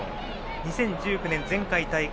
２０１９年前回大会